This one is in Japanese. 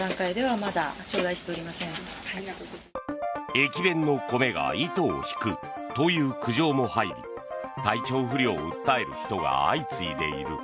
駅弁の米が糸を引くという苦情も入り体調不良を訴える人が相次いでいる。